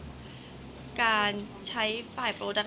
คนเราถ้าใช้ชีวิตมาจนถึงอายุขนาดนี้แล้วค่ะ